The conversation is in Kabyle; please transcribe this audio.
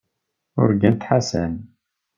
Urgant Ḥasan.